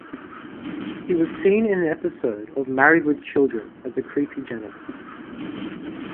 He was seen in an episode of "Married... with Children" as a creepy janitor.